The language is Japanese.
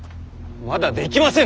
まだできませぬ！